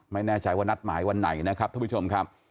ไม่แน่ใจว่านัดหมายวันไหนนะครับท่านผู้ชมครับ